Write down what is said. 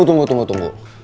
eh tunggu tunggu tunggu